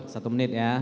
satu menit ya